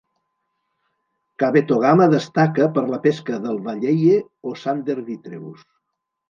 Kabetogama destaca per la pesca del "walleye" o "Sander vitreus".